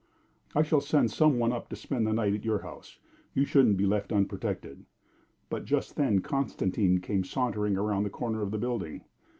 "I shall send some one up to spend the night at your house. You shouldn't be left unprotected." But just then Constantine came sauntering round the corner of the building.